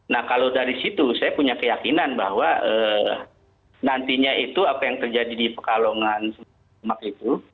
nah kalau dari situ saya punya keyakinan bahwa nantinya itu apa yang terjadi di pekalongan demak itu